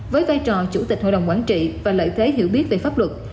với vai trò chủ tịch hội đồng quản trị và lợi thế hiểu biết về pháp luật